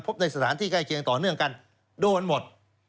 ในสถานที่ใกล้เคียงต่อเนื่องกันโดนหมด